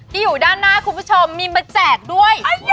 อยู่ด้านหน้าคุณผู้ชมมีมาแจกด้วย